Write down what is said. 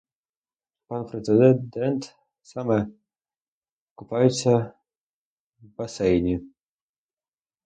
Пан президент саме купаються в басейні.